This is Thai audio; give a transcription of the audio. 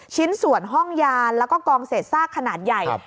ชิ้นส่วนห้องยานแล้วก็กองเศษซากขนาดใหญ่